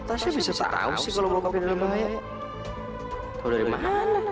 tasya bisa tahu sih kalau mau ke klinik